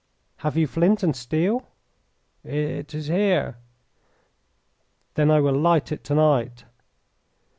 "Have you flint and steel?" "It is here!" "Then I will light it to night."